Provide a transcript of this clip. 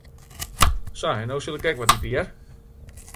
Sa, en no sil ik ek wat ite, hear.